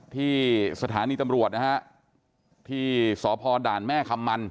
ที่สถานีตำรวจนะฮะที่สพด่านแม่คำมัน